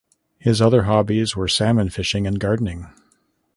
His other hobbies were salmon fishing and gardening.